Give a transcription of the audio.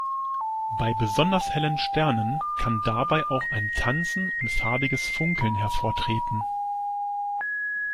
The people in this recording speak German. Bei besonders hellen Sternen kann dabei auch ein Tanzen und farbiges Funkeln hervortreten.